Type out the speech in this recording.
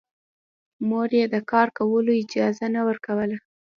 مور يې د کار کولو اجازه نه ورکوله